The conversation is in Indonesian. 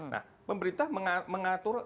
nah pemerintah mengatur